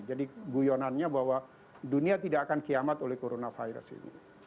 jadi guyonannya bahwa dunia tidak akan kiamat oleh corona virus ini